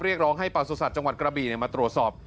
เรียกร้องให้ประสุทธิ์จังหวัดกระบี่มาตรวจสอบ